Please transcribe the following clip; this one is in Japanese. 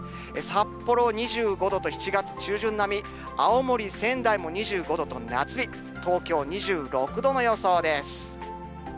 札幌２５度と、７月中旬並み、青森、仙台も２５度と夏日、東京２６度の予想です。